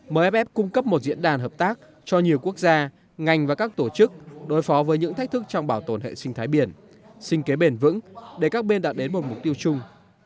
mff cung cấp một diễn đàn hợp tác cho nhiều quốc gia ngành và các tổ chức đối phó với những thách thức trong bảo tồn hệ sinh thái biển sinh kế bền vững để các bên đạt đến một mục tiêu chung